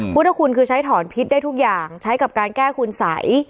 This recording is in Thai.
พุทธคุณคือใช้ถอนพิษได้ทุกอย่างใช้กับการแก้คุณสัย